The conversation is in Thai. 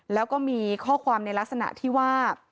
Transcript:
แล้วก็มีข้อความในลักษณะที่ว่า